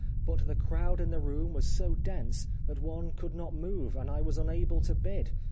But the crowd in the room was so dense that one could not move, and I was unable to bid.